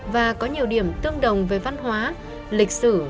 và có nhiều điểm tương đồng về văn hóa lịch sử cho đến thể chế